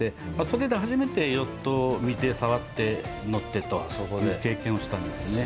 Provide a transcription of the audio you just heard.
それで初めてヨットを見て触って乗ってという経験をしたんですね。